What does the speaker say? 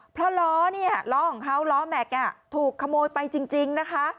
เพราะล้อเนี่ยล้อของเขาล้อแม็กซ์ถูกขโมยไปจริงนะคะ